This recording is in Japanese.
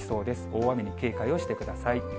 大雨に警戒をしてください。